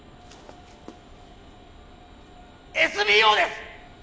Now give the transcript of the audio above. ＳＢＯです！